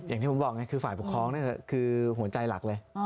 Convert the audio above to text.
อย่างที่ผมบอกไงคือฝ่ายปกครองคือหัวใจหลักเลย